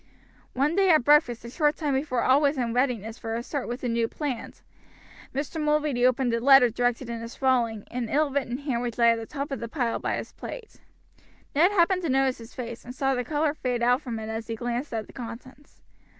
One day at breakfast, a short time before all was in readiness for a start with the new plant, Mr. Mulready opened a letter directed in a sprawling and ill written hand which lay at the top of the pile by his plate. Ned happened to notice his face, and saw the color fade out from it as he glanced at the contents.